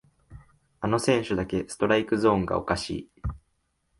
あの選手だけストライクゾーンがおかしい